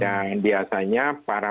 dan biasanya para